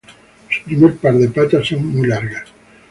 Su primer par de patas son muy largas.